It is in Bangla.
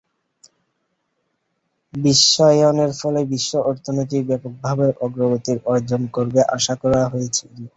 বিশ্বায়নের ফলে বিশ্ব অর্থনীতি ব্যাপকভাবে অগ্রগতি অর্জন করবে আশা করা হয়েছিল।